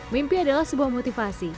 mimpi adalah sebuah motivasi